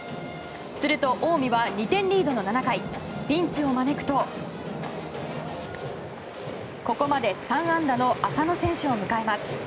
すると近江は２点リードの７回ピンチを招くとここまで３安打の浅野選手を迎えます。